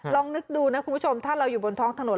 ลองนึกดูนะคุณผู้ชมถ้าเราอยู่บนท้องถนน